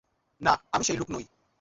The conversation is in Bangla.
না, আমি সেই লোক নই।